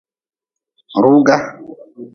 Ruga.